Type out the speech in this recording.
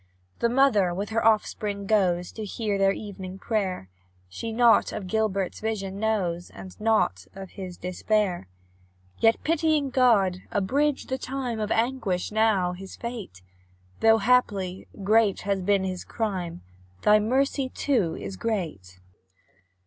The mother with her offspring goes To hear their evening prayer; She nought of Gilbert's vision knows, And nought of his despair. Yet, pitying God, abridge the time Of anguish, now his fate! Though, haply, great has been his crime: Thy mercy, too, is great.